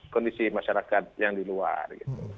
kondisi masyarakat yang di luar gitu